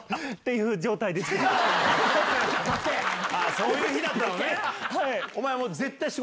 そういう日だったのね。